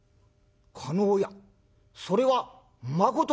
「叶屋それはまことか？」。